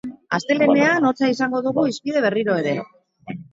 Astelehenean, hotza izango dugu hizpide berriro ere.